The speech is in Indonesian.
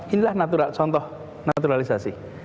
inilah contoh naturalisasi